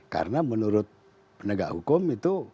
karena menurut penegak hukum itu